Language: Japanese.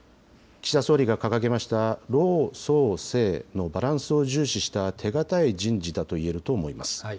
岸田総理が掲げました、老壮青のバランスを重視した手堅い人事だといえると思います。